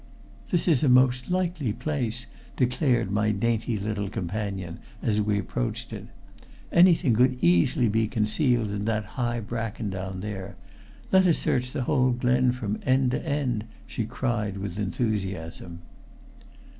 "This is a most likely place," declared my dainty little companion as we approached it. "Anything could easily be concealed in that high bracken down there. Let us search the whole glen from end to end," she cried with enthusiasm.